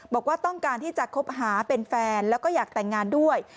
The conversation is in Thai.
บอกว่าต้องการที่จะคบหาเป็นแฟนแล้วก็อยากแต่งงานด้วย